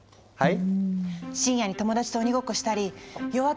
はい！